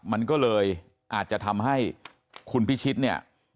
มันก็เลยอาจจะทำให้คุณพิชิตเนี่ย